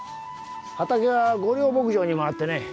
畑は御料牧場にもあってね